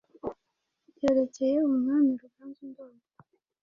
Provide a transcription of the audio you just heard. byerekeye Umwami Ruganzu Ndoli